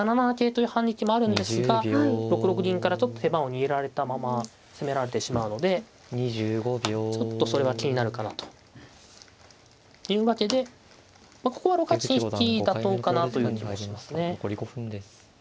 ７七桂という反撃もあるんですが６六銀からちょっと手番を握られたまま攻められてしまうのでちょっとそれは気になるかなというわけでまあここは６八金引妥当かなという気もしますね。